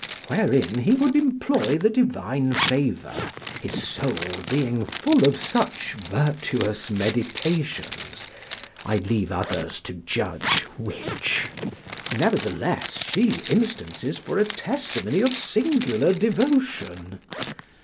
Wherein he would employ the divine favour, his soul being full of such virtuous meditations, I leave others to judge, which, nevertheless, she instances for a testimony of singular devotion.